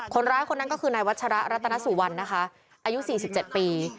คนร้ายคนนั้นก็คือนายวัชระรัตนสุวรรณนะคะอายุ๔๗ปี